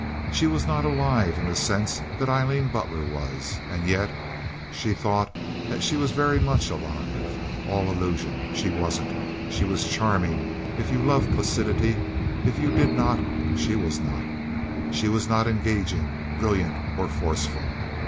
She was not alive in the sense that Aileen Butler was, and yet she thought that she was very much alive. All illusion. She wasn't. She was charming if you loved placidity. If you did not, she was not. She was not engaging, brilliant, or forceful.